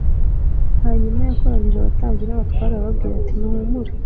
Hanyuma yakoranyije abatambyi n abatware arababwira ati muhumure